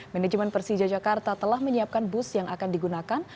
manajemen persija jakarta telah menyiapkan bus yang akan digunakan